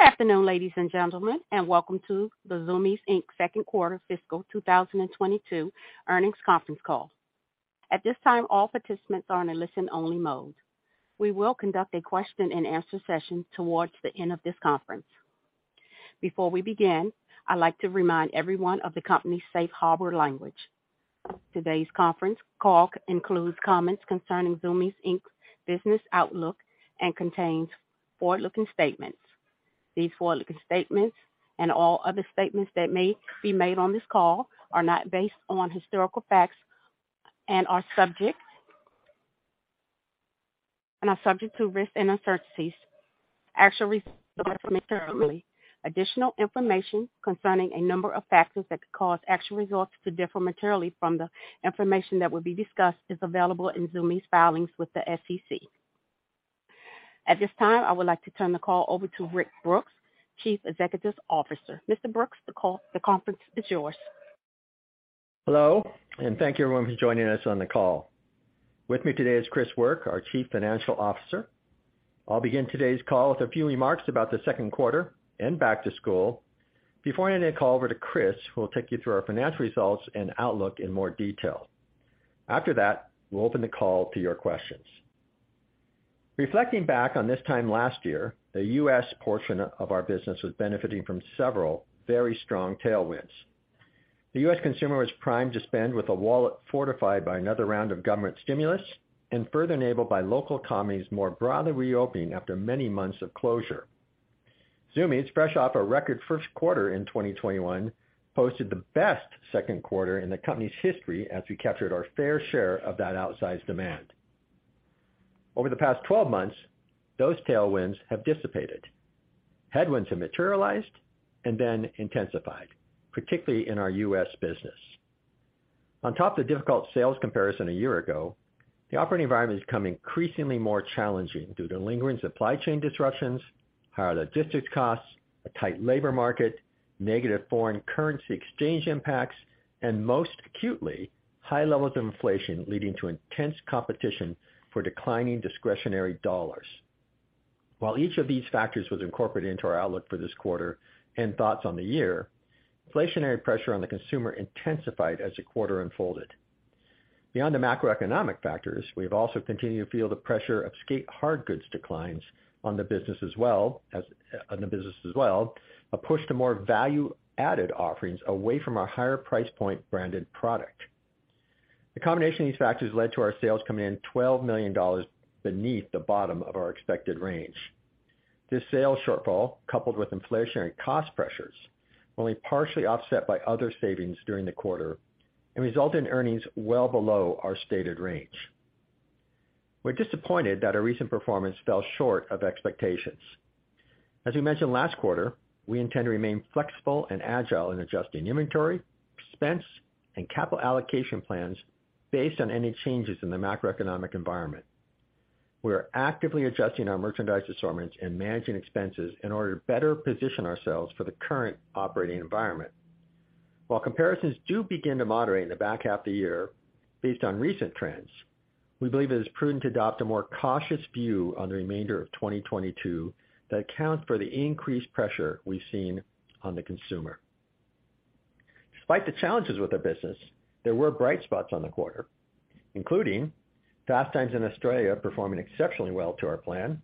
Good afternoon, ladies and gentlemen, and welcome to the Zumiez Inc.'s second quarter fiscal 2022 earnings conference call. At this time, all participants are in a listen only mode. We will conduct a question and answer session towards the end of this conference. Before we begin, I'd like to remind everyone of the company's safe harbor language. Today's conference call includes comments concerning Zumiez Inc.'s business outlook and contains forward-looking statements. These forward-looking statements, and all other statements that may be made on this call, are not based on historical facts and are subject to risks and uncertainties. Actual results may differ materially. Additional information concerning a number of factors that could cause actual results to differ materially from the information that will be discussed is available in Zumiez filings with the SEC. At this time, I would like to turn the call over to Rick Brooks, Chief Executive Officer. Mr. Brooks, the call, the conference is yours. Hello, and thank you everyone for joining us on the call. With me today is Chris Work, our Chief Financial Officer. I'll begin today's call with a few remarks about the second quarter and back to school. Before I hand the call over to Chris, who will take you through our financial results and outlook in more detail. After that, we'll open the call to your questions. Reflecting back on this time last year, the U.S. portion of our business was benefiting from several very strong tailwinds. The U.S. consumer was primed to spend with a wallet fortified by another round of government stimulus and further enabled by local economies more broadly reopening after many months of closure. Zumiez, fresh off a record first quarter in 2021, posted the best second quarter in the company's history as we captured our fair share of that outsized demand. Over the past 12 months, those tailwinds have dissipated. Headwinds have materialized and then intensified, particularly in our U.S. business. On top of the difficult sales comparison a year ago, the operating environment has become increasingly more challenging due to lingering supply chain disruptions, higher logistics costs, a tight labor market, negative foreign currency exchange impacts, and most acutely, high levels of inflation leading to intense competition for declining discretionary dollars. While each of these factors was incorporated into our outlook for this quarter and thoughts on the year, inflationary pressure on the consumer intensified as the quarter unfolded. Beyond the macroeconomic factors, we've also continued to feel the pressure of skate hardgoods declines on the business as well as a push to more value added offerings away from our higher price point branded product. The combination of these factors led to our sales coming in $12 million beneath the bottom of our expected range. This sales shortfall, coupled with inflationary cost pressures, only partially offset by other savings during the quarter, resulted in earnings well below our stated range. We're disappointed that our recent performance fell short of expectations. As we mentioned last quarter, we intend to remain flexible and agile in adjusting inventory, expense, and capital allocation plans based on any changes in the macroeconomic environment. We are actively adjusting our merchandise assortments and managing expenses in order to better position ourselves for the current operating environment. While comparisons do begin to moderate in the back half of the year, based on recent trends, we believe it is prudent to adopt a more cautious view on the remainder of 2022 that accounts for the increased pressure we've seen on the consumer. Despite the challenges with our business, there were bright spots on the quarter, including Fast Times in Australia performing exceptionally well to our plan.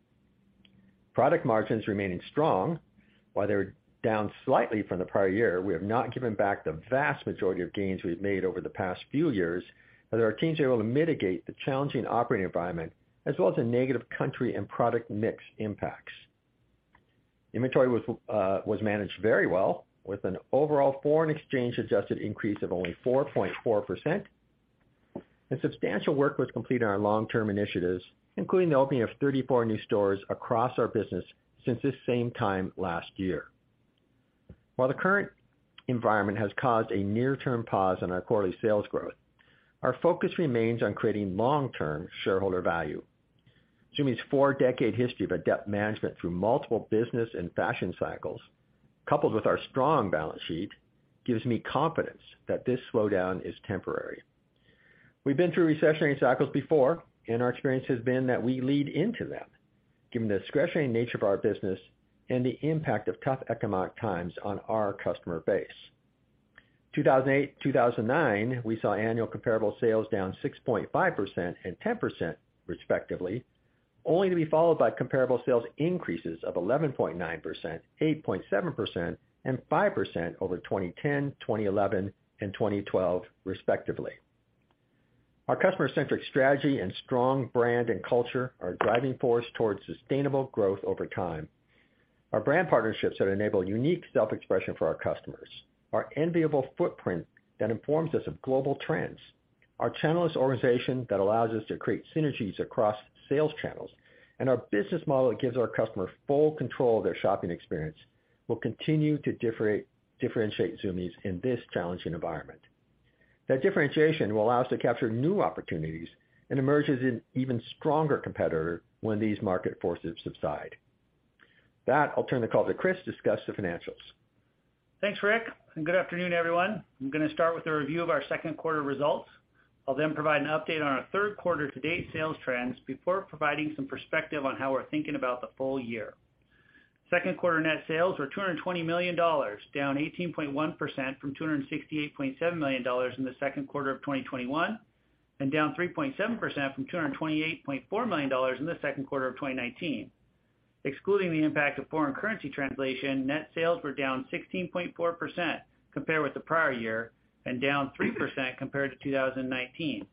Product margins remaining strong. While they were down slightly from the prior year, we have not given back the vast majority of gains we've made over the past few years, that our teams are able to mitigate the challenging operating environment as well as the negative country and product mix impacts. Inventory was managed very well with an overall foreign exchange adjusted increase of only 4.4%. Substantial work was completed on long-term initiatives, including the opening of 34 new stores across our business since this same time last year. While the current environment has caused a near-term pause on our quarterly sales growth, our focus remains on creating long-term shareholder value. Zumiez' four-decade history of adept management through multiple business and fashion cycles, coupled with our strong balance sheet, gives me confidence that this slowdown is temporary. We've been through recessionary cycles before, and our experience has been that we lead into them, given the discretionary nature of our business and the impact of tough economic times on our customer base. 2008, 2009, we saw annual comparable sales down 6.5% and 10% respectively, only to be followed by comparable sales increases of 11.9%, 8.7%, and 5% over 2010, 2011, and 2012 respectively. Our customer-centric strategy and strong brand and culture are a driving force towards sustainable growth over time. Our brand partnerships that enable unique self-expression for our customers, our enviable footprint that informs us of global trends, our omnichannel organization that allows us to create synergies across sales channels, and our business model that gives our customers full control of their shopping experience will continue to differentiate Zumiez in this challenging environment. That differentiation will allow us to capture new opportunities and emerge as an even stronger competitor when these market forces subside. That, I'll turn the call to Chris to discuss the financials. Thanks, Rick, and good afternoon, everyone. I'm gonna start with a review of our second quarter results. I'll then provide an update on our third quarter to date sales trends before providing some perspective on how we're thinking about the full year. Second quarter net sales were $220 million, down 18.1% from $268.7 million in the second quarter of 2021, and down 3.7% from $228.4 million in the second quarter of 2019. Excluding the impact of foreign currency translation, net sales were down 16.4% compared with the prior year, and down 3% compared to 2019.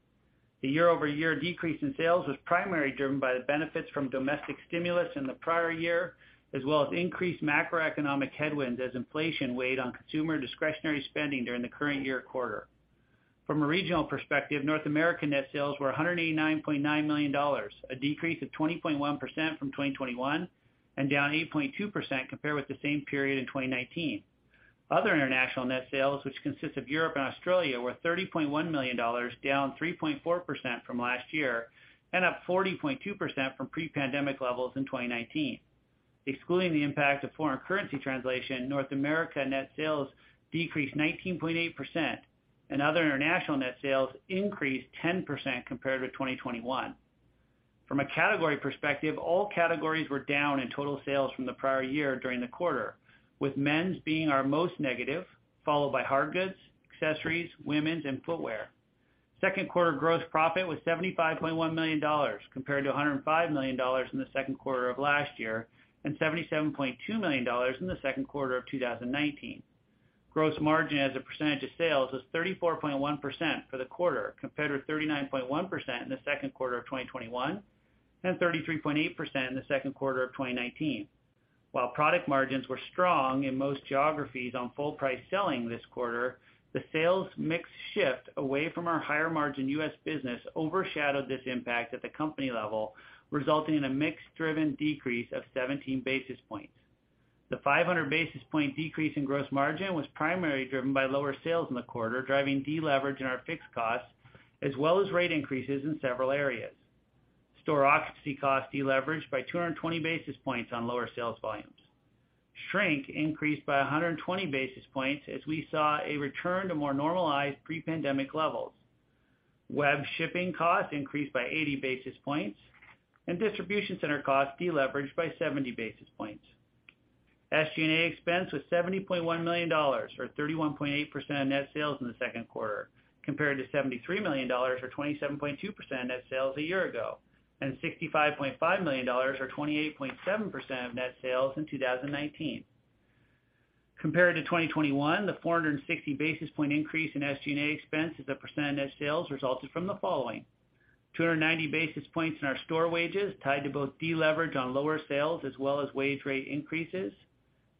The year-over-year decrease in sales was primarily driven by the benefits from domestic stimulus in the prior year, as well as increased macroeconomic headwinds as inflation weighed on consumer discretionary spending during the current year quarter. From a regional perspective, North America net sales were $189.9 million, a decrease of 20.1% from 2021, and down 8.2% compared with the same period in 2019. Other international net sales, which consists of Europe and Australia, were $30.1 million, down 3.4% from last year, and up 40.2% from pre-pandemic levels in 2019. Excluding the impact of foreign currency translation, North America net sales decreased 19.8%, and other international net sales increased 10% compared to 2021. From a category perspective, all categories were down in total sales from the prior year during the quarter, with men's being our most negative, followed by hard goods, accessories, women's and footwear. Second quarter gross profit was $75.1 million, compared to $105 million in the second quarter of last year, and $77.2 million in the second quarter of 2019. Gross margin as a percentage of sales was 34.1% for the quarter compared with 39.1% in the second quarter of 2021, and 33.8% in the second quarter of 2019. While product margins were strong in most geographies on full price selling this quarter, the sales mix shift away from our higher margin U.S. business overshadowed this impact at the company level, resulting in a mix-driven decrease of 17 basis points. The 500 basis point decrease in gross margin was primarily driven by lower sales in the quarter, driving deleverage in our fixed costs, as well as rate increases in several areas. Store occupancy costs deleveraged by 220 basis points on lower sales volumes. Shrink increased by 120 basis points as we saw a return to more normalized pre-pandemic levels. Web shipping costs increased by 80 basis points, and distribution center costs deleveraged by 70 basis points. SG&A expense was $70.1 million or 31.8% of net sales in the second quarter, compared to $73 million or 27.2% of net sales a year ago, and $65.5 million or 28.7% of net sales in 2019. Compared to 2021, the 460 basis point increase in SG&A expense as a percent of net sales resulted from the following. 290 basis points in our store wages, tied to both deleverage on lower sales as well as wage rate increases.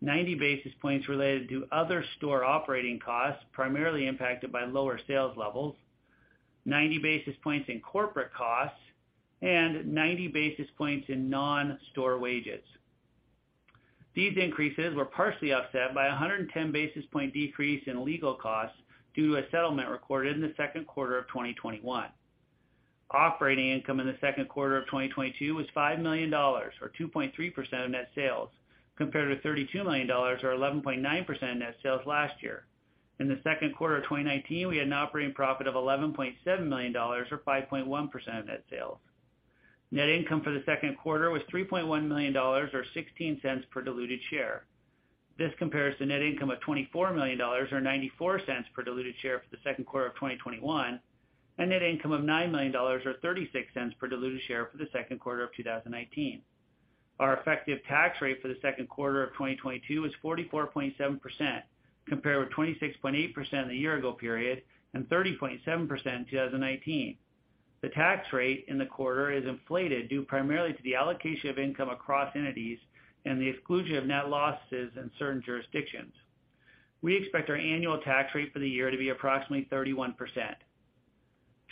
90 basis points related to other store operating costs, primarily impacted by lower sales levels. 90 basis points in corporate costs, and 90 basis points in non-store wages. These increases were partially offset by a 110 basis point decrease in legal costs due to a settlement recorded in the second quarter of 2021. Operating income in the second quarter of 2022 was $5 million or 2.3% of net sales, compared to $32 million or 11.9% of net sales last year. In the second quarter of 2019, we had an operating profit of $11.7 million or 5.1% of net sales. Net income for the second quarter was $3.1 million or $0.16 per diluted share. This compares to net income of $24 million or $0.94 per diluted share for the second quarter of 2021, and net income of $9 million or $0.36 per diluted share for the second quarter of 2019. Our effective tax rate for the second quarter of 2022 was 44.7% compared with 26.8% a year ago period, and 30.7% in 2019. The tax rate in the quarter is inflated due primarily to the allocation of income across entities and the exclusion of net losses in certain jurisdictions. We expect our annual tax rate for the year to be approximately 31%.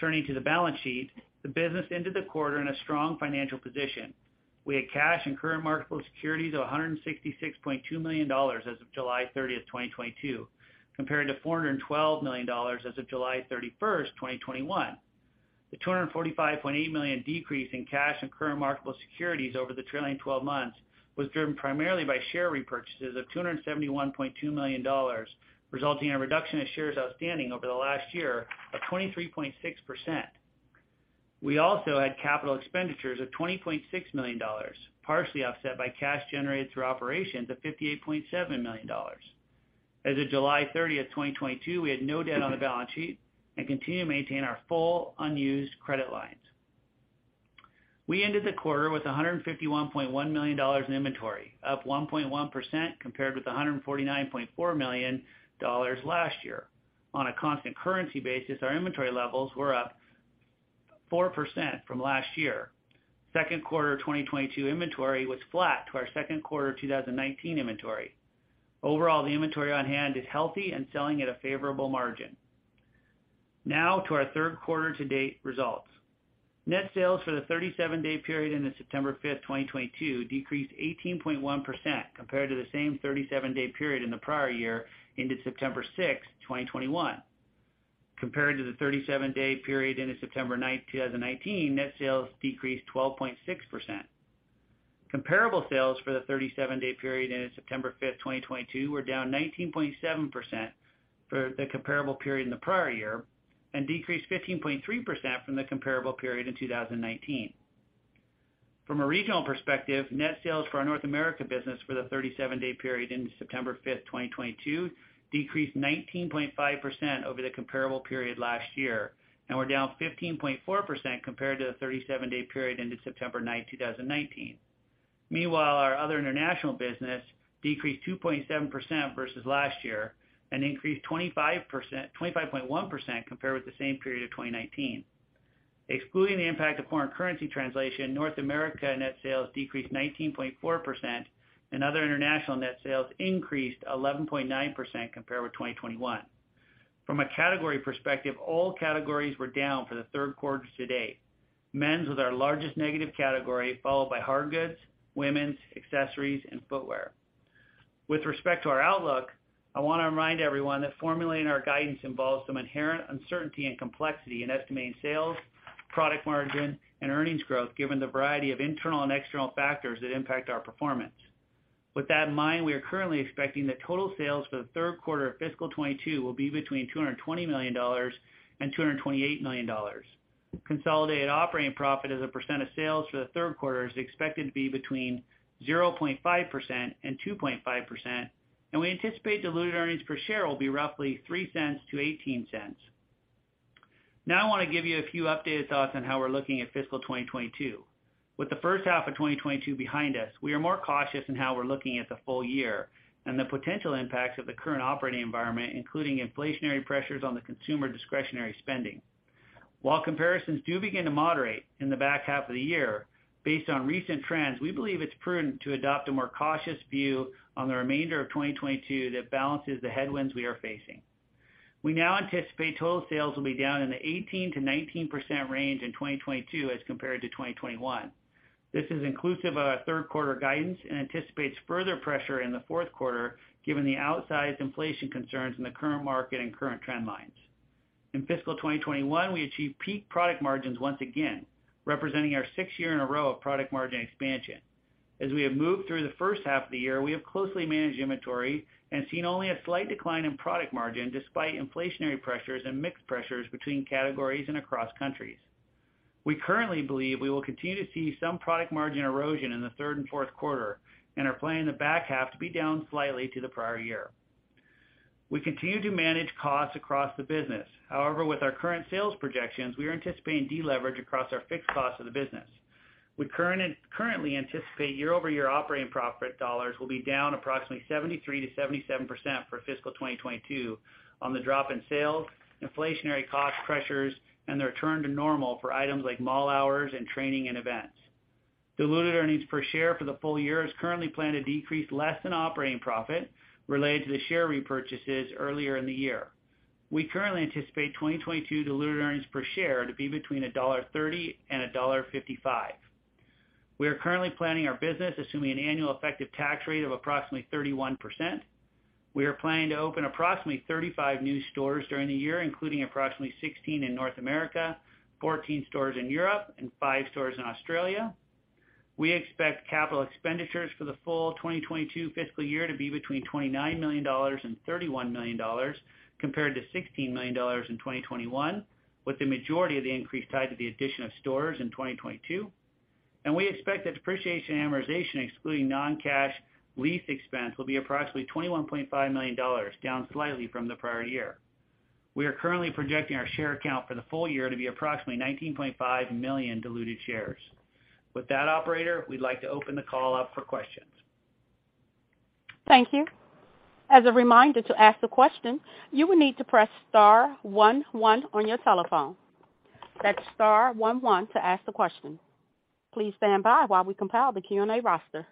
Turning to the balance sheet, the business ended the quarter in a strong financial position. We had cash and current marketable securities of $166.2 million as of July 30th, 2022, compared to $412 million as of July 31st, 2021. The $245.8 million decrease in cash and current marketable securities over the trailing twelve months was driven primarily by share repurchases of $271.2 million, resulting in a reduction of shares outstanding over the last year of 23.6%. We also had capital expenditures of $20.6 million, partially offset by cash generated through operations of $58.7 million. As of July 30th, 2022, we had no debt on the balance sheet and continue to maintain our full unused credit lines. We ended the quarter with $151.1 million in inventory, up 1.1% compared with $149.4 million last year. On a constant currency basis, our inventory levels were up 4% from last year. Second quarter of 2022 inventory was flat to our second quarter of 2019 inventory. Overall, the inventory on hand is healthy and selling at a favorable margin. Now to our third quarter to date results. Net sales for the 37-day period ending September 5th, 2022, decreased 18.1% compared to the same 37-day period in the prior year ending September 6th, 2021. Compared to the 37-day period ending September 9th, 2019, net sales decreased 12.6%. Comparable sales for the 37-day period ended September 5th, 2022 were down 19.7% for the comparable period in the prior year and decreased 15.3% from the comparable period in 2019. From a regional perspective, net sales for our North America business for the 37-day period in September 5th, 2022 decreased 19.5% over the comparable period last year and were down 15.4% compared to the 37-day period ended September 9th, 2019. Meanwhile, our other international business decreased 2.7% versus last year and increased 25.1% compared with the same period of 2019. Excluding the impact of foreign currency translation, North America net sales decreased 19.4% and other international net sales increased 11.9% compared with 2021. From a category perspective, all categories were down for the third quarter to date. Men's was our largest negative category, followed by hard goods, women's accessories and footwear. With respect to our outlook, I wanna remind everyone that formulating our guidance involves some inherent uncertainty and complexity in estimating sales, product margin and earnings growth given the variety of internal and external factors that impact our performance. With that in mind, we are currently expecting that total sales for the third quarter of fiscal 2022 will be between $220 million and $228 million. Consolidated operating profit as a percent of sales for the third quarter is expected to be between 0.5% and 2.5%, and we anticipate diluted earnings per share will be roughly $0.03-$0.18. Now, I want to give you a few updated thoughts on how we're looking at fiscal 2022. With the first half of 2022 behind us, we are more cautious in how we're looking at the full year and the potential impacts of the current operating environment, including inflationary pressures on the consumer discretionary spending. While comparisons do begin to moderate in the back half of the year, based on recent trends, we believe it's prudent to adopt a more cautious view on the remainder of 2022 that balances the headwinds we are facing. We now anticipate total sales will be down in the 18%-19% range in 2022 as compared to 2021. This is inclusive of our third quarter guidance and anticipates further pressure in the fourth quarter, given the outsized inflation concerns in the current market and current trend lines. In fiscal 2021, we achieved peak product margins once again, representing our sixth year in a row of product margin expansion. As we have moved through the first half of the year, we have closely managed inventory and seen only a slight decline in product margin despite inflationary pressures and mixed pressures between categories and across countries. We currently believe we will continue to see some product margin erosion in the third and fourth quarter and are planning the back half to be down slightly to the prior year. We continue to manage costs across the business. However, with our current sales projections, we are anticipating deleverage across our fixed costs of the business. We currently anticipate year-over-year operating profit dollars will be down approximately 73%-77% for fiscal 2022 on the drop in sales, inflationary cost pressures and the return to normal for items like mall hours and training and events. Diluted earnings per share for the full year is currently planned to decrease less than operating profit related to the share repurchases earlier in the year. We currently anticipate 2022 diluted earnings per share to be between $1.30 and $1.55. We are currently planning our business assuming an annual effective tax rate of approximately 31%. We are planning to open approximately 35 new stores during the year, including approximately 16 in North America, 14 stores in Europe and five stores in Australia. We expect capital expenditures for the full 2022 fiscal year to be between $29 million and $31 million, compared to $16 million in 2021, with the majority of the increase tied to the addition of stores in 2022. We expect that depreciation and amortization, excluding non-cash lease expense, will be approximately $21.5 million, down slightly from the prior year. We are currently projecting our share count for the full year to be approximately 19.5 million diluted shares. With that operator, we'd like to open the call up for questions. Thank you. As a reminder to ask the question, you will need to press star one one on your telephone. That's star one one to ask the question. Please stand by while we compile the Q&A roster.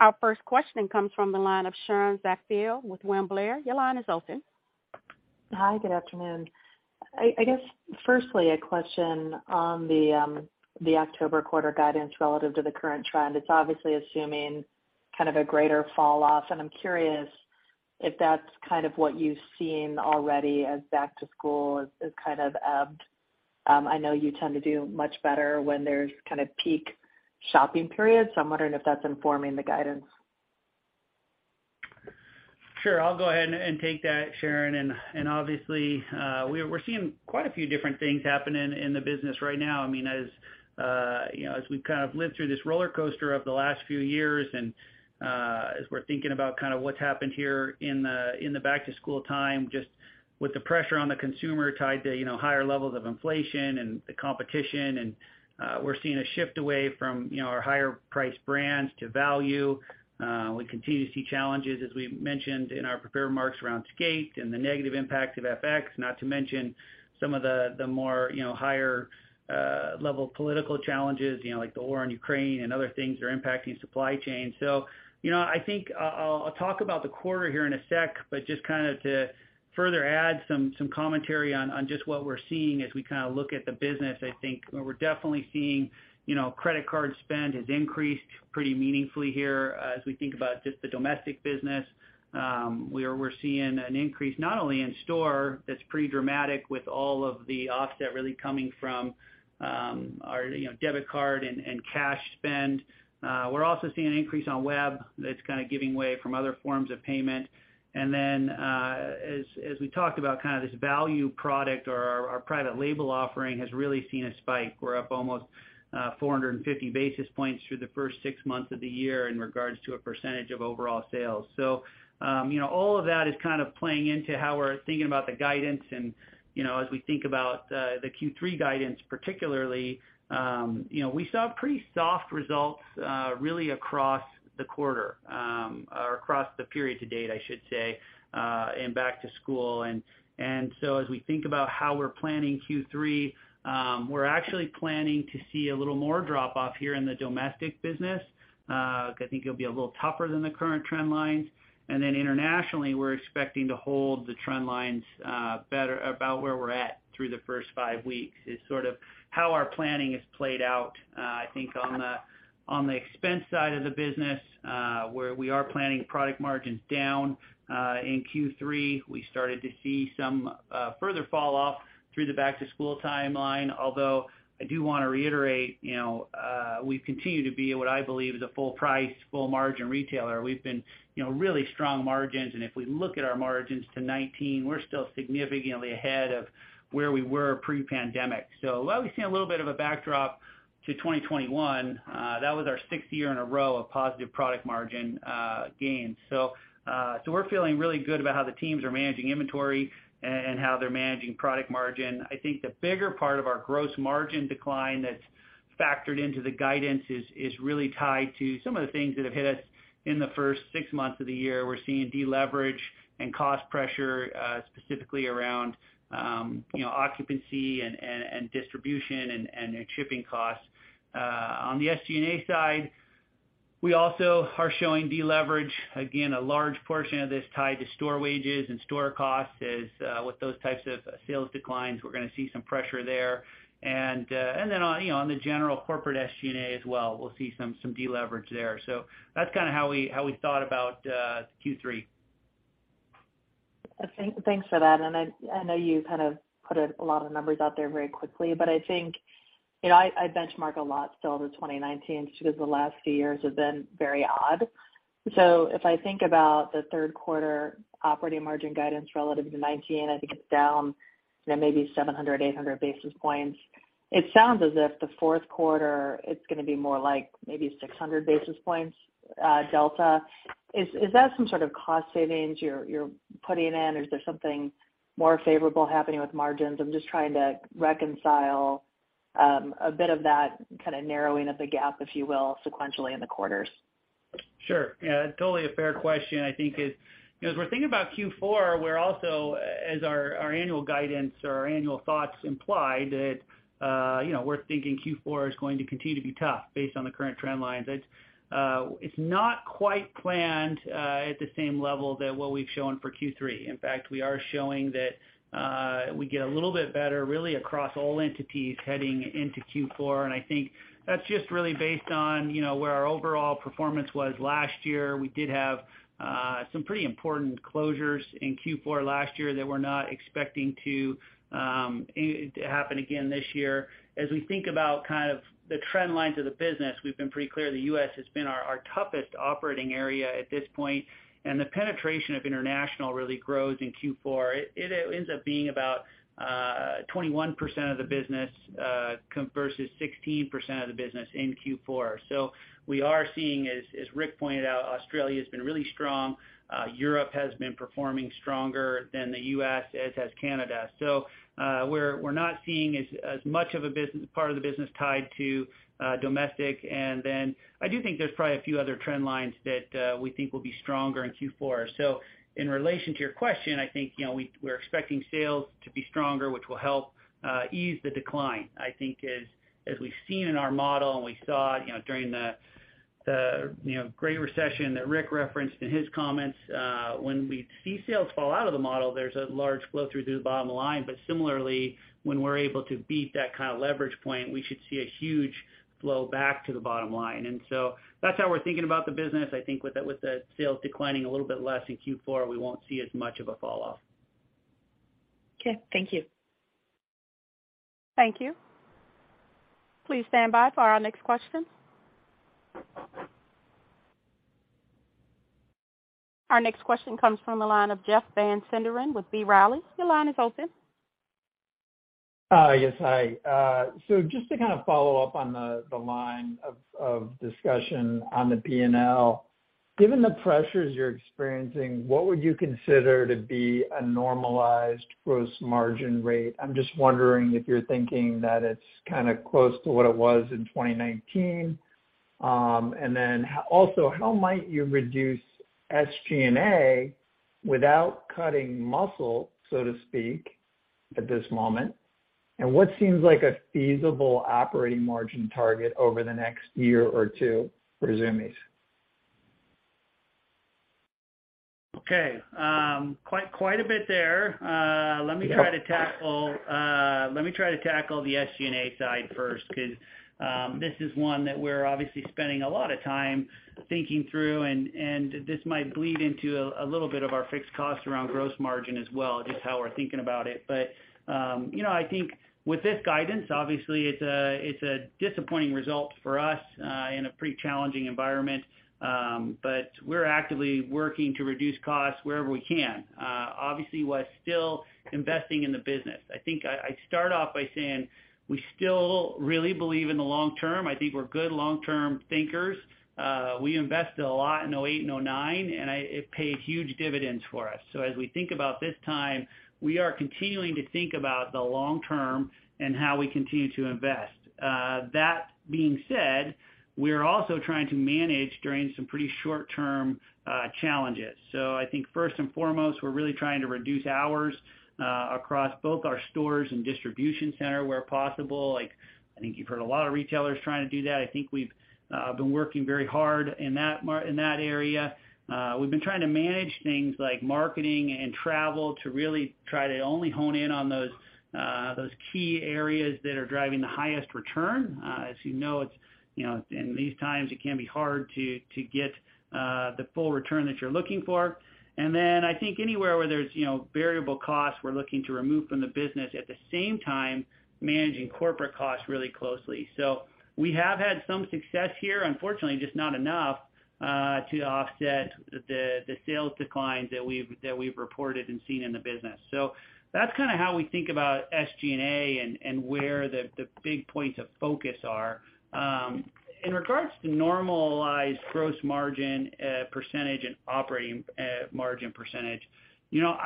Our first question comes from the line of Sharon Zackfia with William Blair. Your line is open. Hi. Good afternoon. I guess firstly a question on the October quarter guidance relative to the current trend. It's obviously assuming kind of a greater fall off, and I'm curious if that's kind of what you've seen already as back to school has kind of ebbed. I know you tend to do much better when there's kind of peak shopping periods, so I'm wondering if that's informing the guidance. Sure. I'll go ahead and take that, Sharon. Obviously, we're seeing quite a few different things happening in the business right now. I mean, as you know, as we've kind of lived through this rollercoaster of the last few years and as we're thinking about kind of what's happened here in the back to school time, just with the pressure on the consumer tied to, you know, higher levels of inflation and the competition. We're seeing a shift away from, you know, our higher priced brands to value. We continue to see challenges, as we mentioned in our prepared remarks around skate and the negative impact of FX, not to mention some of the more, you know, higher level political challenges, you know, like the war in Ukraine and other things that are impacting supply chain. You know, I think I'll talk about the quarter here in a sec, but just kind of to further add some commentary on just what we're seeing as we kind of look at the business. I think we're definitely seeing, you know, credit card spend has increased pretty meaningfully here. As we think about just the domestic business, we're seeing an increase not only in store that's pretty dramatic with all of the offset really coming from our, you know, debit card and cash spend. We're also seeing an increase on web that's kind of giving way from other forms of payment. Then, as we talked about kind of this value product or our private label offering has really seen a spike. We're up almost 450 basis points through the first six months of the year in regards to a percentage of overall sales. You know, all of that is kind of playing into how we're thinking about the guidance. You know, as we think about the Q3 guidance, particularly, you know, we saw pretty soft results really across the quarter or across the period to date, I should say, in back to school. So as we think about how we're planning Q3, we're actually planning to see a little more drop off here in the domestic business. I think it'll be a little tougher than the current trend lines. Internationally, we're expecting to hold the trend lines better about where we're at through the first five weeks is sort of how our planning is played out. I think on the expense side of the business, where we are planning product margins down in Q3, we started to see some further fall off through the back-to-school timeline. Although, I do wanna reiterate, you know, we continue to be what I believe is a full price, full margin retailer. We've been, you know, really strong margins. If we look at our margins to 2019, we're still significantly ahead of where we were pre-pandemic. While we've seen a little bit of a backdrop to 2021, that was our sixth year in a row of positive product margin gains. We're feeling really good about how the teams are managing inventory and how they're managing product margin. I think the bigger part of our gross margin decline that's factored into the guidance is really tied to some of the things that have hit us in the first six months of the year. We're seeing deleverage and cost pressure, specifically around, you know, occupancy and distribution and shipping costs. On the SG&A side, we also are showing deleverage. Again, a large portion of this tied to store wages and store costs. As with those types of sales declines, we're gonna see some pressure there. Then on, you know, on the general corporate SG&A as well, we'll see some deleverage there. That's kinda how we thought about Q3. Thanks for that. I know you kind of put a lot of numbers out there very quickly, but I think, you know, I benchmark a lot still to 2019 just because the last few years have been very odd. If I think about the third quarter operating margin guidance relative to 2019, I think it's down, you know, maybe 700-800 basis points. It sounds as if the fourth quarter, it's gonna be more like maybe 600 basis points delta. Is that some sort of cost savings you're putting in, or is there something more favorable happening with margins? I'm just trying to reconcile a bit of that kind of narrowing of the gap, if you will, sequentially in the quarters. Sure. Yeah, totally a fair question. I think it's, you know, as we're thinking about Q4, we're also, as our annual guidance or our annual thoughts imply that, you know, we're thinking Q4 is going to continue to be tough based on the current trend lines. It's not quite planned at the same level that what we've shown for Q3. In fact, we are showing that we get a little bit better really across all entities heading into Q4. I think that's just really based on, you know, where our overall performance was last year. We did have some pretty important closures in Q4 last year that we're not expecting it to happen again this year. As we think about kind of the trend lines of the business, we've been pretty clear the US has been our toughest operating area at this point, and the penetration of international really grows in Q4. It ends up being about 21% of the business versus 16% of the business in Q4. We are seeing, as Rick pointed out, Australia has been really strong. Europe has been performing stronger than the US, as has Canada. We're not seeing as much of a business part of the business tied to domestic. I do think there's probably a few other trend lines that we think will be stronger in Q4. In relation to your question, I think, you know, we're expecting sales to be stronger, which will help ease the decline. I think as we've seen in our model and we saw, you know, during the Great Recession that Rick referenced in his comments, when we see sales fall out of the model, there's a large flow through to the bottom line. Similarly, when we're able to beat that kind of leverage point, we should see a huge flow back to the bottom line. That's how we're thinking about the business. I think with the sales declining a little bit less in Q4, we won't see as much of a fall off. Okay. Thank you. Thank you. Please stand by for our next question. Our next question comes from the line of Jeff Van Sinderen with B. Riley. Your line is open. Yes. Hi. Just to kind of follow up on the line of discussion on the P&L. Given the pressures you're experiencing, what would you consider to be a normalized gross margin rate? I'm just wondering if you're thinking that it's kinda close to what it was in 2019. Also, how might you reduce SG&A without cutting muscle, so to speak, at this moment, and what seems like a feasible operating margin target over the next year or two for Zumiez? Okay. Quite a bit there. Let me try to tackle the SG&A side first because this is one that we're obviously spending a lot of time thinking through and this might bleed into a little bit of our fixed cost around gross margin as well, just how we're thinking about it. You know, I think with this guidance, obviously it's a disappointing result for us in a pretty challenging environment. We're actively working to reduce costs wherever we can, obviously while still investing in the business. I think I start off by saying we still really believe in the long term. I think we're good long-term thinkers. We invested a lot in 2008 and 2009, and it paid huge dividends for us. As we think about this time, we are continuing to think about the long term and how we continue to invest. That being said, we're also trying to manage during some pretty short-term challenges. I think first and foremost, we're really trying to reduce hours across both our stores and distribution center where possible. Like, I think you've heard a lot of retailers trying to do that. I think we've been working very hard in that area. We've been trying to manage things like marketing and travel to really try to only hone in on those key areas that are driving the highest return. As you know, it's, you know, in these times it can be hard to get the full return that you're looking for. I think anywhere where there's, you know, variable costs we're looking to remove from the business, at the same time managing corporate costs really closely. We have had some success here, unfortunately, just not enough to offset the sales declines that we've reported and seen in the business. That's kind of how we think about SG&A and where the big points of focus are. In regards to normalized gross margin percentage and operating margin percentage, you know,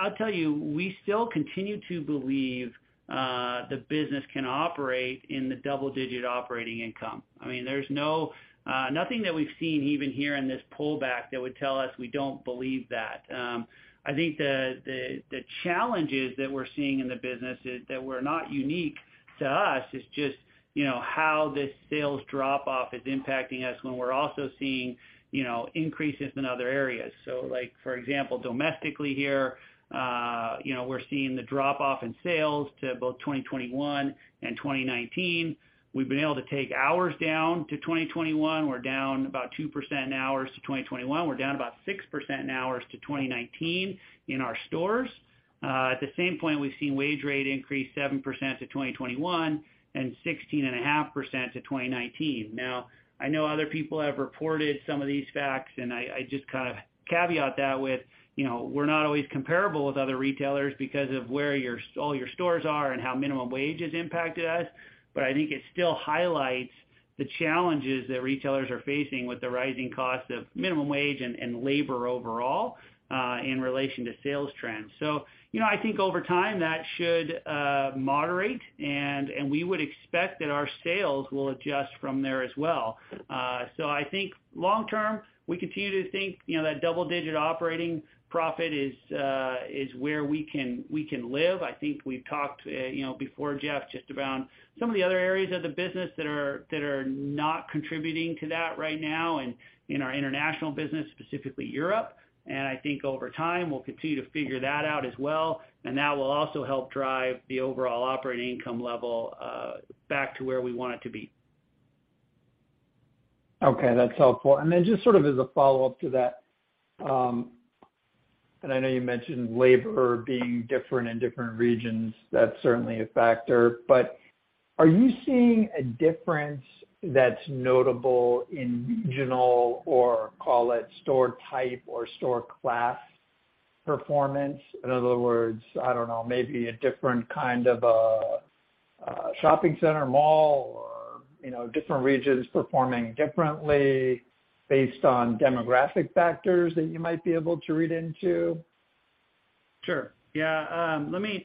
I'll tell you, we still continue to believe the business can operate in the double-digit operating income. I mean, there's nothing that we've seen even here in this pullback that would tell us we don't believe that. I think the challenges that we're seeing in the business is that we're not unique to us. It's just, you know, how this sales drop off is impacting us when we're also seeing, you know, increases in other areas. Like for example, domestically here, you know, we're seeing the drop off in sales to both 2021 and 2019. We've been able to take hours down to 2021. We're down about 2% in hours to 2021. We're down about 6% in hours to 2019 in our stores. At the same point, we've seen wage rate increase 7% to 2021 and 16.5% to 2019. Now, I know other people have reported some of these facts, and I just kind of caveat that with, you know, we're not always comparable with other retailers because of where all your stores are and how minimum wage has impacted us. I think it still highlights the challenges that retailers are facing with the rising cost of minimum wage and labor overall in relation to sales trends. You know, I think over time, that should moderate and we would expect that our sales will adjust from there as well. I think long term, we continue to think, you know, that double-digit operating profit is where we can live. I think we've talked, you know, before, Jeff, just around some of the other areas of the business that are not contributing to that right now and in our international business, specifically Europe. I think over time, we'll continue to figure that out as well. That will also help drive the overall operating income level back to where we want it to be. Okay, that's helpful. Just sort of as a follow-up to that, and I know you mentioned labor being different in different regions, that's certainly a factor. Are you seeing a difference that's notable in regional or call it store type or store class performance? In other words, I don't know, maybe a different kind of a shopping center, mall or, you know, different regions performing differently based on demographic factors that you might be able to read into. Sure. Yeah. Let me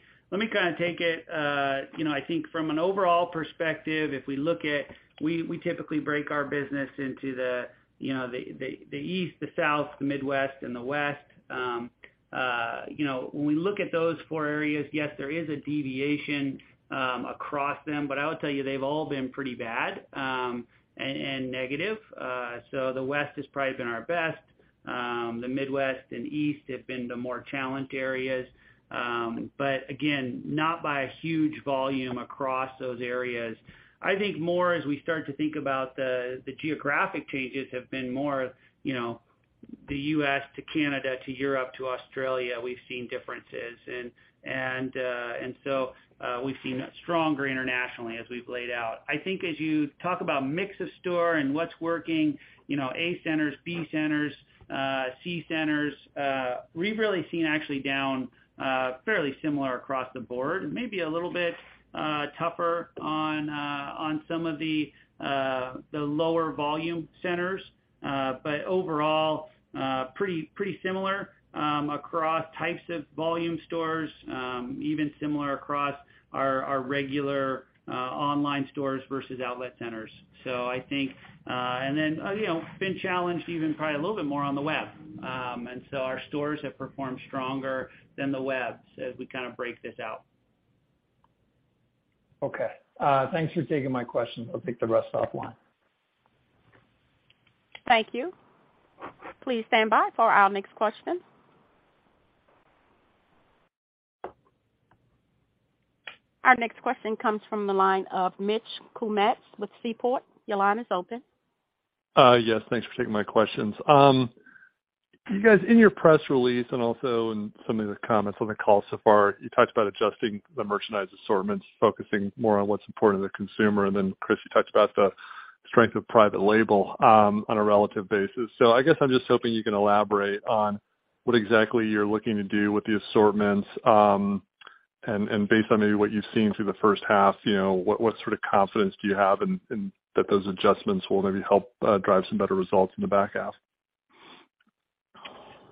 kind of take it. You know, I think from an overall perspective, if we look at. We typically break our business into the East, the South, the Midwest, and the West. You know, when we look at those four areas, yes, there is a deviation across them, but I would tell you they've all been pretty bad, and negative. The West has probably been our best. The Midwest and East have been the more challenged areas. Again, not by a huge volume across those areas. I think more as we start to think about the geographic changes have been more, you know, the U.S. to Canada to Europe to Australia, we've seen differences. We've seen stronger internationally as we've laid out. I think as you talk about mix of stores and what's working, you know, A centers, B centers, C centers, we've really seen, actually, down fairly similar across the board. Maybe a little bit tougher on some of the lower volume centers. Overall, pretty similar across types of volume stores, even similar across our regular online stores versus outlet centers. I think, you know, been challenged even probably a little bit more on the web. Our stores have performed stronger than the web as we kind of break this out. Okay. Thanks for taking my question. I'll take the rest offline. Thank you. Please stand by for our next question. Our next question comes from the line of Mitch Kummetz with Seaport. Your line is open. Yes, thanks for taking my questions. You guys, in your press release and also in some of the comments on the call so far, you talked about adjusting the merchandise assortments, focusing more on what's important to the consumer. Chris, you talked about the strength of private label, on a relative basis. I guess I'm just hoping you can elaborate on what exactly you're looking to do with the assortments. Based on maybe what you've seen through the first half, you know, what sort of confidence do you have in that those adjustments will maybe help drive some better results in the back half?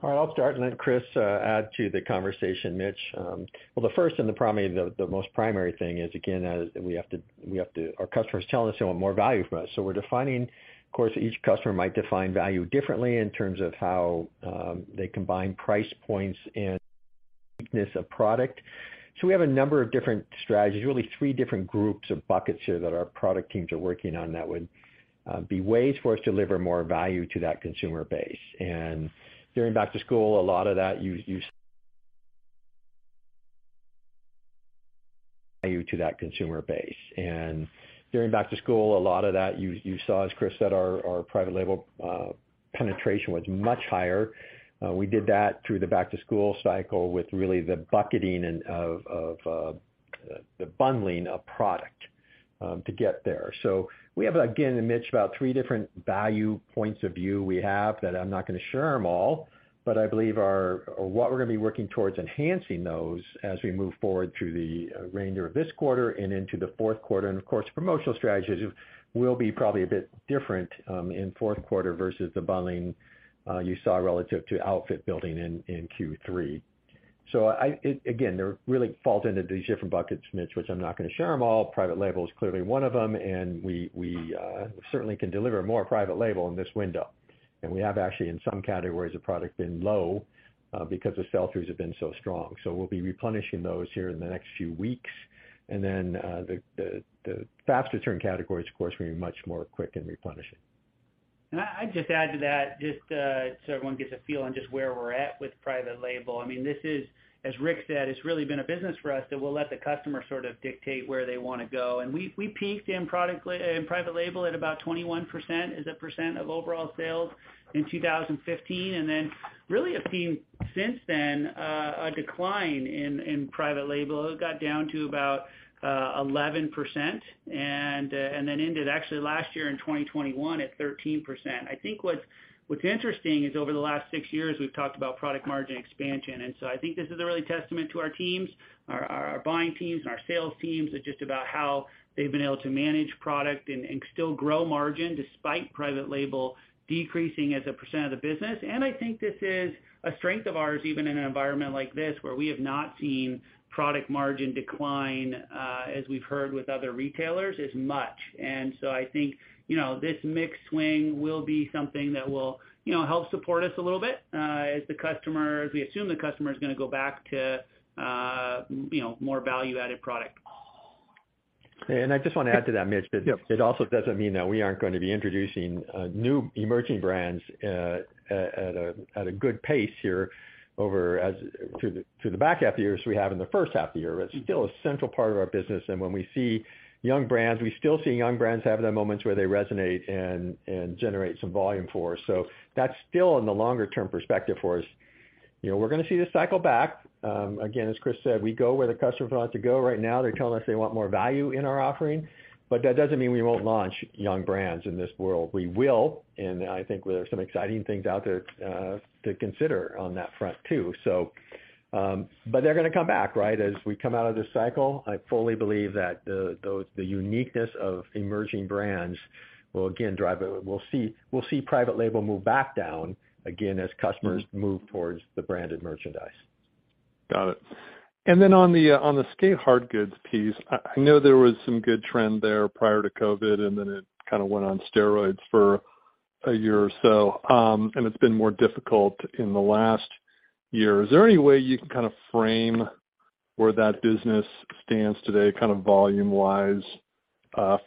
All right, I'll start and let Chris add to the conversation, Mitch. The first and probably the most primary thing is, again, our customers telling us they want more value from us. We're defining. Of course, each customer might define value differently in terms of how they combine price points and this product. We have a number of different strategies, really three different groups or buckets here that our product teams are working on that would be ways for us to deliver more value to that consumer base. During back to school, a lot of that you saw, as Chris said, our private label penetration was much higher. We did that through the back to school cycle with really the bucketing and of the bundling of product to get there. We have, again, Mitch, about three different value points of view we have that I'm not gonna share them all, but I believe are what we're gonna be working towards enhancing those as we move forward through the remainder of this quarter and into the fourth quarter. Of course, promotional strategies will be probably a bit different in fourth quarter versus the bundling you saw relative to outfit building in Q3. Again, they really fall into these different buckets, Mitch, which I'm not gonna share them all. Private label is clearly one of them, and we certainly can deliver more private label in this window. We have actually in some categories of product been low, because the sell-throughs have been so strong. We'll be replenishing those here in the next few weeks. The faster turn categories, of course, we're much more quick in replenishing. I'd just add to that just, so everyone gets a feel on just where we're at with private label. I mean, this is, as Rick said, it's really been a business for us that we'll let the customer sort of dictate where they wanna go. We peaked in private label at about 21% as a percent of overall sales in 2015. Then really have seen since then a decline in private label. It got down to about 11% and then ended actually last year in 2021 at 13%. I think what's interesting is over the last six years, we've talked about product margin expansion. I think this is a real testament to our teams, our buying teams and our sales teams of just about how they've been able to manage product and still grow margin despite private label decreasing as a percent of the business. I think this is a strength of ours, even in an environment like this, where we have not seen product margin decline as we've heard with other retailers as much. I think, you know, this mix swing will be something that will, you know, help support us a little bit as we assume the customer is gonna go back to, you know, more value-added product. I just wanna add to that, Mitch. Yep. It also doesn't mean that we aren't gonna be introducing new emerging brands at a good pace here over the back half of the year, so we have in the first half of the year. It's still a central part of our business. When we see young brands, we still see young brands having their moments where they resonate and generate some volume for us. That's still in the longer term perspective for us. You know, we're gonna see this cycle back. Again, as Chris said, we go where the customers want us to go. Right now, they're telling us they want more value in our offering, but that doesn't mean we won't launch young brands in this world. We will, and I think there are some exciting things out there to consider on that front too. They're gonna come back, right? As we come out of this cycle, I fully believe that the uniqueness of emerging brands will again drive. We'll see private label move back down again as customers move towards the branded merchandise. Got it. Then on the skate hardgoods piece, I know there was some good trend there prior to COVID, and then it kind of went on steroids for a year or so, and it's been more difficult in the last year. Is there any way you can kind of frame where that business stands today, kind of volume-wise,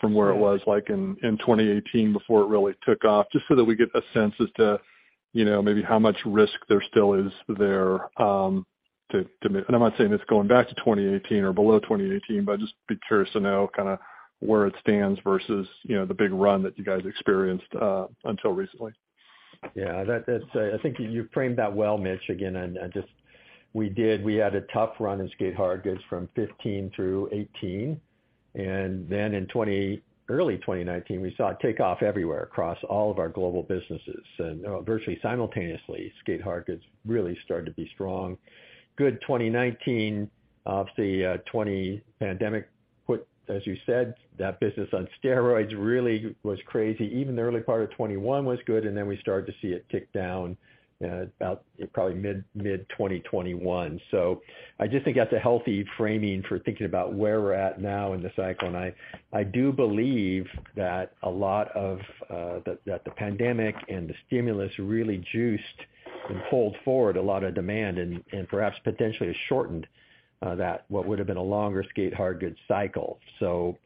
from where it was like in 2018 before it really took off, just so that we get a sense as to, you know, maybe how much risk there still is there. I'm not saying it's going back to 2018 or below 2018, but I'd just be curious to know kinda where it stands versus, you know, the big run that you guys experienced, until recently. Yeah. That's. I think you framed that well, Mitch. Again, I just. We had a tough run in skate hardgoods from 2015 through 2018, and then in early 2019, we saw it take off everywhere across all of our global businesses. Virtually simultaneously, skate hardgoods really started to be strong. Good 2019. Obviously, 2020 pandemic put, as you said, that business on steroids really was crazy. Even the early part of 2021 was good, and then we started to see it tick down about probably mid-2021. I just think that's a healthy framing for thinking about where we're at now in the cycle. I do believe that a lot of the pandemic and the stimulus really juiced and pulled forward a lot of demand and perhaps potentially shortened what would've been a longer skate hardgoods cycle.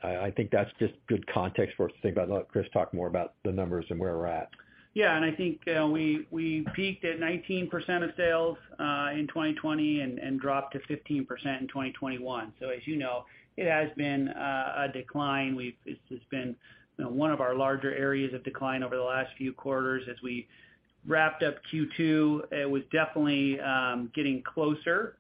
I think that's just good context for us to think about. I'll let Chris talk more about the numbers and where we're at. Yeah, I think we peaked at 19% of sales in 2020 and dropped to 15% in 2021. As you know, it has been a decline. It's been, you know, one of our larger areas of decline over the last few quarters. As we wrapped up Q2, it was definitely getting closer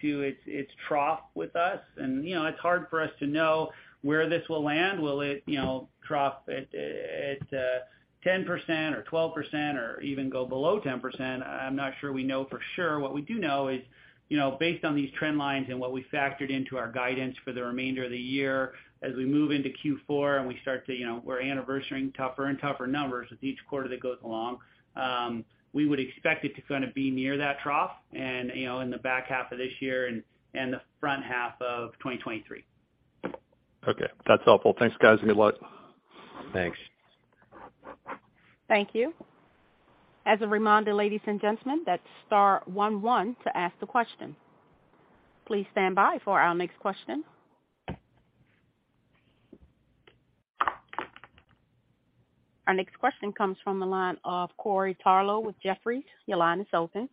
to its trough with us. You know, it's hard for us to know where this will land. Will it, you know, trough at 10% or 12% or even go below 10%? I'm not sure we know for sure. What we do know is, you know, based on these trend lines and what we factored into our guidance for the remainder of the year, as we move into Q4 and we start to, you know, we're anniversarying tougher and tougher numbers with each quarter that goes along, we would expect it to kinda be near that trough and, you know, in the back half of this year and the front half of 2023. Okay. That's helpful. Thanks, guys. Good luck. Thanks. Thank you. As a reminder, ladies and gentlemen, that's star one one to ask the question. Please stand by for our next question. Our next question comes from the line of Corey Tarlowe with Jefferies. Your line is open.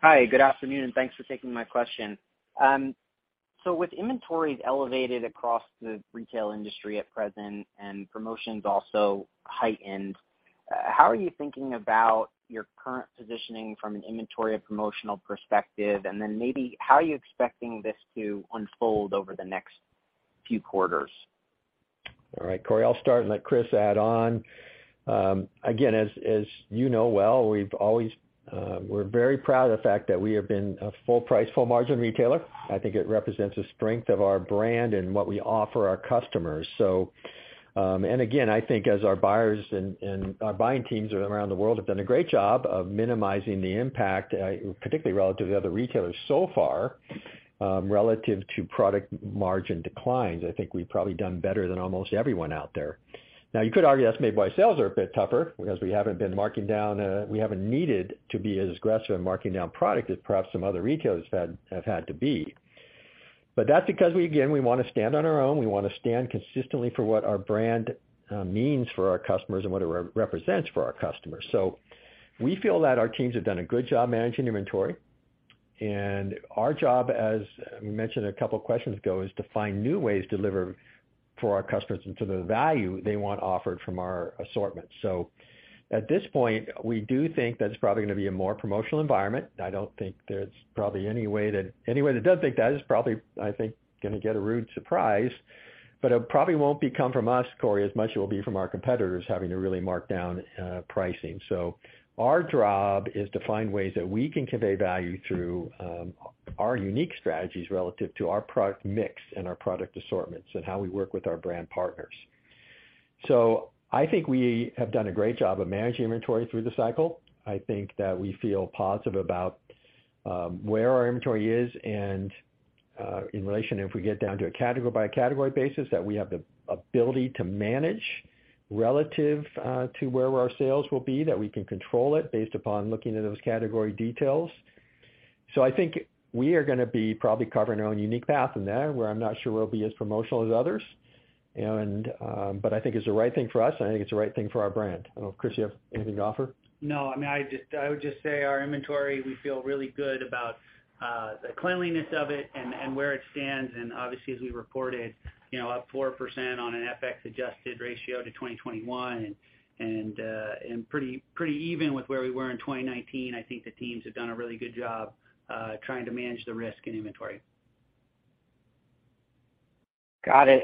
Hi, good afternoon, and thanks for taking my question. With inventories elevated across the retail industry at present and promotions also heightened, how are you thinking about your current positioning from an inventory and promotional perspective? Maybe how are you expecting this to unfold over the next few quarters? All right, Corey. I'll start and let Chris add on. Again, as you know well, we're very proud of the fact that we have been a full price, full margin retailer. I think it represents the strength of our brand and what we offer our customers. Again, I think as our buyers and our buying teams around the world have done a great job of minimizing the impact, particularly relative to other retailers so far, relative to product margin declines. I think we've probably done better than almost everyone out there. Now, you could argue that's maybe why sales are a bit tougher, because we haven't been marking down, we haven't needed to be as aggressive in marking down product as perhaps some other retailers have had to be. That's because we, again, we wanna stand on our own. We wanna stand consistently for what our brand means for our customers and what it represents for our customers. We feel that our teams have done a good job managing inventory. Our job, as we mentioned a couple of questions ago, is to find new ways to deliver for our customers and to the value they want offered from our assortment. At this point, we do think that it's probably gonna be a more promotional environment. I don't think there's probably any way that anybody that does think that is probably, I think, gonna get a rude surprise. It probably won't become from us, Corey, as much it will be from our competitors having to really mark down pricing. Our job is to find ways that we can convey value through our unique strategies relative to our product mix and our product assortments and how we work with our brand partners. I think we have done a great job of managing inventory through the cycle. I think that we feel positive about where our inventory is and in relation, if we get down to a category by category basis, that we have the ability to manage relative to where our sales will be, that we can control it based upon looking at those category details. I think we are gonna be probably covering our own unique path in that, where I'm not sure we'll be as promotional as others. But I think it's the right thing for us, and I think it's the right thing for our brand. I don't know, Chris, you have anything to offer? No. I mean, I just, I would just say our inventory, we feel really good about, the cleanliness of it and where it stands. Obviously, as we reported, you know, up 4% on an FX-adjusted basis to 2021 and pretty even with where we were in 2019. I think the teams have done a really good job, trying to manage the risk in inventory. Got it.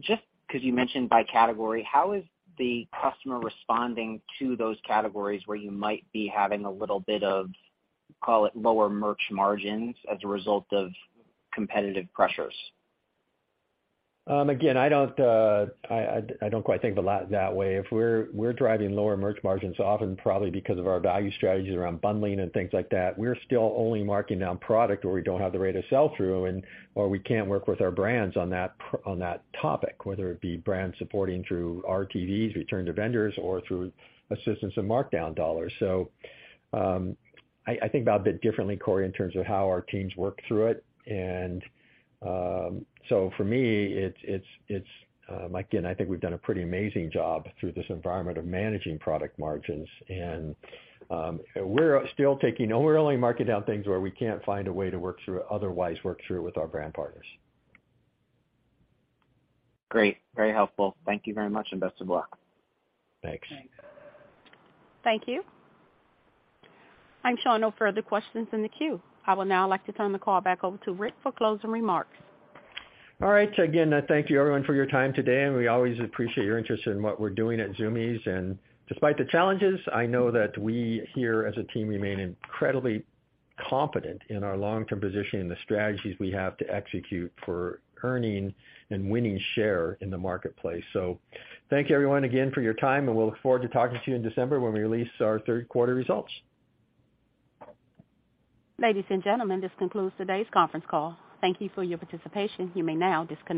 Just 'cause you mentioned by category, how is the customer responding to those categories where you might be having a little bit of, call it, lower merch margins as a result of competitive pressures? Again, I don't quite think of it that way. If we're driving lower merch margins often probably because of our value strategies around bundling and things like that, we're still only marking down product where we don't have the rate of sell through and where we can't work with our brands on that on that topic, whether it be brands supporting through RTVs, return to vendors or through assistance in markdown dollars. I think about it a bit differently, Corey, in terms of how our teams work through it. For me, it's like, again, I think we've done a pretty amazing job through this environment of managing product margins. We're only marking down things where we can't find a way to work through it, otherwise work through with our brand partners. Great. Very helpful. Thank you very much, and best of luck. Thanks. Thanks. Thank you. I'm showing no further questions in the queue. I would now like to turn the call back over to Rick for closing remarks. All right. Again, thank you everyone for your time today, and we always appreciate your interest in what we're doing at Zumiez. Despite the challenges, I know that we here as a team remain incredibly competent in our long-term positioning and the strategies we have to execute for earning and winning share in the marketplace. Thank you everyone again for your time, and we'll look forward to talking to you in December when we release our third quarter results. Ladies and gentlemen, this concludes today's conference call. Thank you for your participation. You may now disconnect.